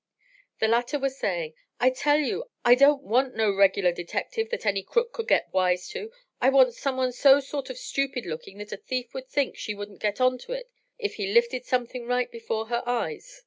The latter was saying: "I tell you I don't want no regular detective that any crook could get wise to, I want someone so sort of stupid looking that a thief would think she wouldn't get on to it if he lifted something right before her eyes."